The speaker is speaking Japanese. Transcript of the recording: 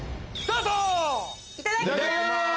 いただきます！